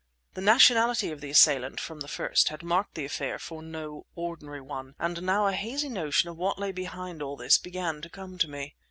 The nationality of the assailant from the first had marked the affair for no ordinary one, and now a hazy notion of what lay behind all this began to come to me.